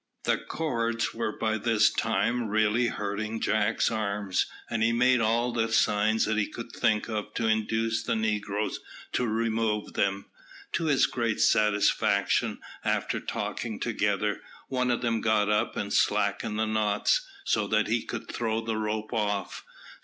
The cords were by this time really hurting Jack's arms, and he made all the signs he could think of to induce the negroes to remove them. To his great satisfaction, after talking together, one of them got up and slackened the knots, so that he could throw the rope off.